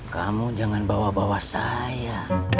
kamu jangan bawa bawa saya